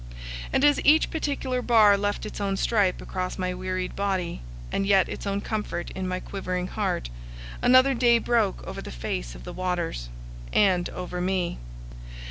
And as each particular bar left its own stripe across my wearied body, and yet its own comfort in my quivering heart, another day broke over the face of the waters, and over me.